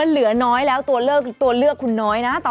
มันเหลือน้อยแล้วตัวเลือกคุณน้อยนะตอนนี้